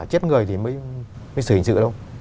chết người thì mới xử hình sự đâu